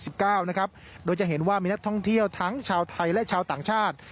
สิบเก้านะครับโดยจะเห็นว่ามีนักท่องเที่ยวทั้งชาวไทยและชาวต่างชาติ